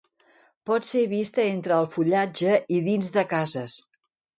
Pot ser vista entre el fullatge i dins de cases.